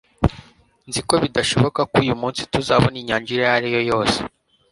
nzi ko bidashoboka ko uyu munsi tuzabona inyanja iyo ari yo yose